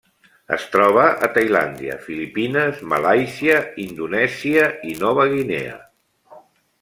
Es troba a Tailàndia, Filipines, Malàisia, Indonèsia i Nova Guinea.